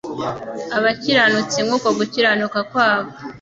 abakiranutsi nk uko gukiranuka kwabo